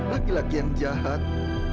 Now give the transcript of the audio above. laki laki yang jahat